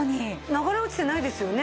流れ落ちてないですよね。